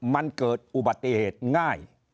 มันเกิดอุบัติเหตุง่าย